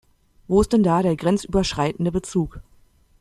Wo ist denn da der grenzüberschreitende Bezug?